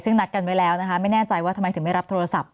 ซึ่งนัดกันไว้แล้วนะคะไม่แน่ใจว่าทำไมถึงไม่รับโทรศัพท์